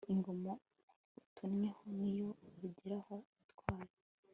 ingoma utonnyeho niyo ugiraho ubutwari